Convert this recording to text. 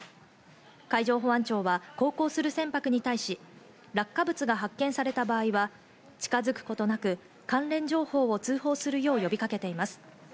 海上保安庁は航行する船舶に対し、落下物が発見された場合は、近づくことなく関連情報を通報するよう呼びかけています。